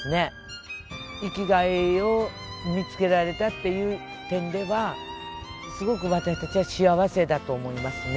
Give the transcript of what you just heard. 生きがいを見つけられたという点ではすごく私たちは幸せだと思いますね。